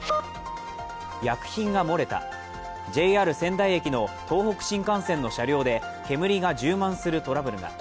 薬品が漏れた、ＪＲ仙台駅の東北新幹線の車両で煙が充満するトラブルが。